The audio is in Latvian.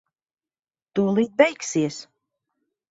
Tūlīt beigsies.